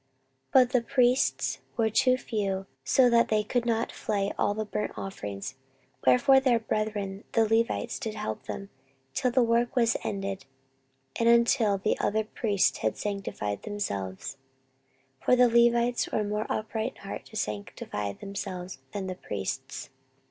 14:029:034 But the priests were too few, so that they could not flay all the burnt offerings: wherefore their brethren the Levites did help them, till the work was ended, and until the other priests had sanctified themselves: for the Levites were more upright in heart to sanctify themselves than the priests.